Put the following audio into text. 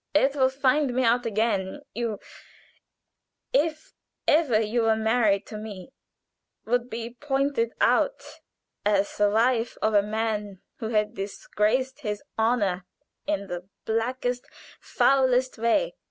It will find me out again. You if ever you were married to me would be pointed out as the wife of a man who had disgraced his honor in the blackest, foulest way.